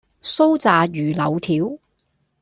酥炸魚柳條